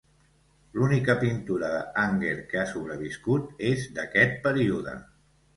L'única pintura de Hanger que ha sobreviscut és d'aquest període.